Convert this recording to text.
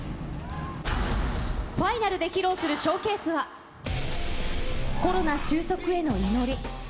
ファイナルで披露するショーケースは、コロナ収束への祈り。